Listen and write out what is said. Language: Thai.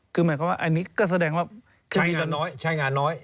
คือหมายความว่าอันนี้ก็แสดงว่าใช้งานน้อย